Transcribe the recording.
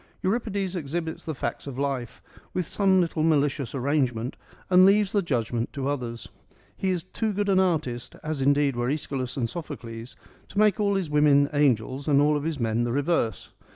Euripides exhibits the facts of life, with some little malicious arrangement, and leaves the judgment to others. He is too good an artist, as indeed were ^Eschylus and Sophocles, to make all his women angels and all his men the reverse.